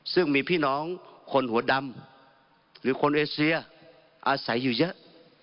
ซึ่งมีพี่น้องคนหัวดำหรือคนเอเซียอาศัยอยู่เยอะ